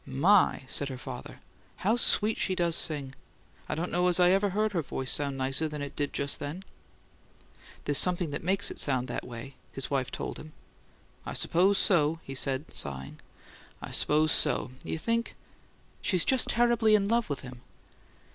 "My!" said her father. "How sweet she does sing! I don't know as I ever heard her voice sound nicer than it did just then." "There's something that makes it sound that way," his wife told him. "I suppose so," he said, sighing. "I suppose so. You think " "She's just terribly in love with him!"